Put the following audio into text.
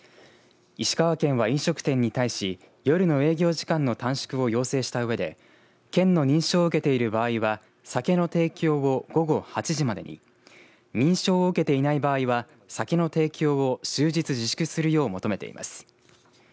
石川県は飲食店に対し夜の営業時間の短縮を要請したうえで県の認証を受けている場合は酒の提供を午後８時までに認証を受けていない場合は酒の提供を終日自粛するよう求めています。